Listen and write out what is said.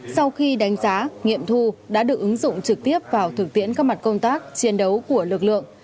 sau khi đánh giá nghiệm thu đã được ứng dụng trực tiếp vào thực tiễn các mặt công tác chiến đấu của lực lượng